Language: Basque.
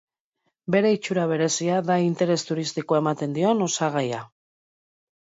Bere itxura berezia da interes turistikoa ematen dion osagaia.